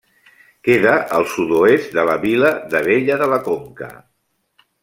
Queda al sud-oest de la vila d'Abella de la Conca.